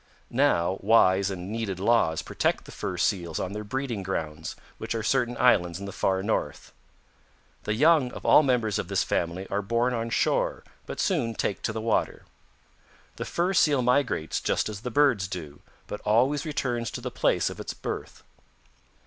Now wise and needed laws protect the Fur Seals on their breeding grounds, which are certain islands in the Far North. The young of all members of this family are born on shore, but soon take to the water. The Fur Seal migrates just as the birds do, but always returns to the place of its birth.